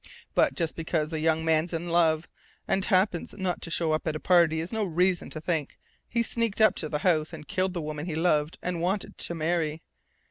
But just because a young man's in love, and happens not to show up at a party, is no reason to think he sneaked up to the house and killed the woman he loved and wanted to marry.